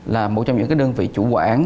là một trong những đơn vị chủ quản